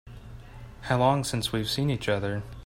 How long since we've seen each other?